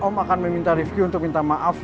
om akan meminta rifki untuk minta maaf